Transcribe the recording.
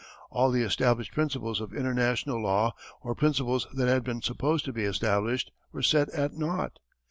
All the established principles of international law, or principles that had been supposed to be established, were set at naught.